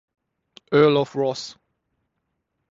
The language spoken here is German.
Earl of Ross.